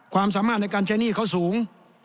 ความสามารถในการใช้หนี้เขาสูง